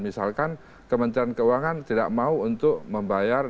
misalkan kementerian keuangan tidak mau untuk membayar